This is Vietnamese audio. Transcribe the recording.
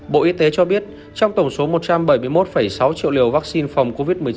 bộ y tế cho biết trong tổng số một trăm bảy mươi một sáu triệu liều vaccine phòng covid một mươi chín